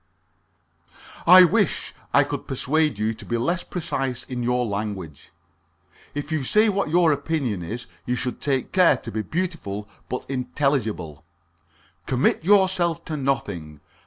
"I wish I could persuade you to be less precise in your language. If you say what your opinion is, you should take care to be beautiful but unintelligible. Commit yourself to nothing.